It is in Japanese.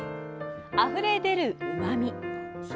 あふれ出るうまみ。